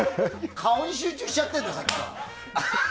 顔に集中しちゃってんだよさっきから。